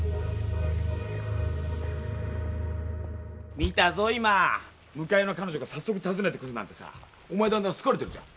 見たぞ今向かいの彼女がさっそく訪ねてくるなんてさお前だんだん好かれてるじゃん。